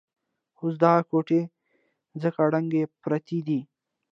اوس دغه کوټې ځکه ړنګې پرتې دي.